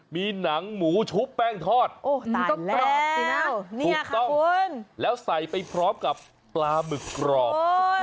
มีหนังหมูชุบแป้งทอดถูกต้องแล้วใส่ไปพร้อมกับปลามึกกรอบ